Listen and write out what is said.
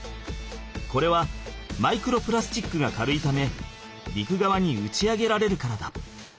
これはマイクロプラスチックが軽いため陸側に打ち上げられるからだ。